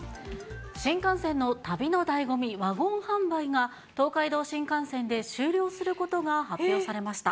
新幹線の旅のだいご味、ワゴン販売が、東海道新幹線で終了することが発表されました。